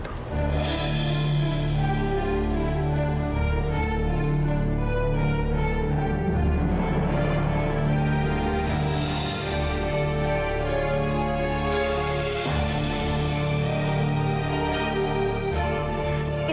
itu kan kalung aku amira